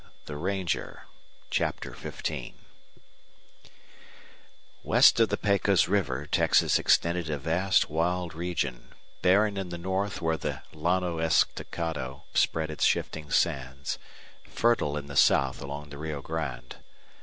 THE RANGER CHAPTER XV West of the Pecos River Texas extended a vast wild region, barren in the north where the Llano Estacado spread its shifting sands, fertile in the south along the Rio Grande.